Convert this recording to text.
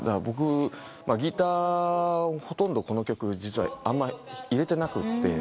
僕ギターをほとんどこの曲実はあまり入れてなくて。